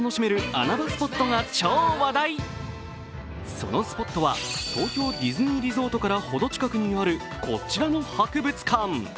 そのスポットは東京ディズニーリゾートからほど近くにあるこちらの博物館。